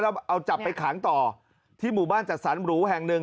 แล้วเอาจับไปขังต่อที่หมู่บ้านจัดสรรหรูแห่งหนึ่ง